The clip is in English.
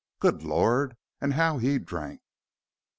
Good lord, and how he drank!"